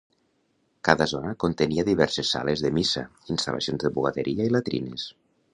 Cada zona contenia diverses sales de missa, instal·lacions de bugaderia i latrines.